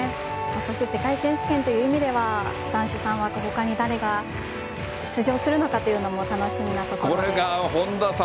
そして世界選手権という意味では男子３枠他に誰が出場するのかというのも楽しみなところです。